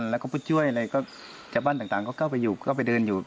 แล้วก็ผู้ช่วยอะไรก็ชาวบ้านต่างก็เข้าไปอยู่ก็ไปเดินอยู่